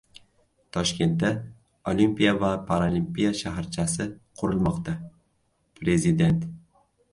Toshkentda “Olimpiya va Paralimpiya shaharchasi” qurilmoqda — Prezident